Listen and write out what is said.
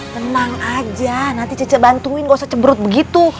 tenang aja nanti cece bantuin gak usah cebrut begitu